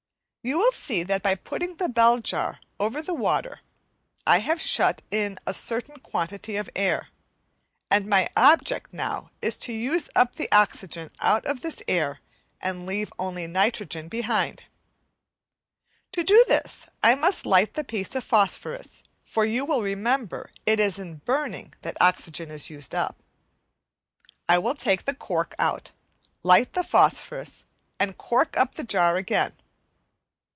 You will see that by putting the bell jar over the water, I have shut in a certain quantity of air, and my object now is to use up the oxygen out of this air and leave only nitrogen behind. To do this I must light the piece of phosphorus, for you will remember it is in burning that oxygen is used up. I will take the cork out, light the phosphorus, and cork up the jar again.